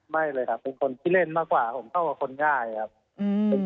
ไม่เลยครับเป็นคนขี้เล่นมากกว่าผมเข้ากับคนง่ายครับ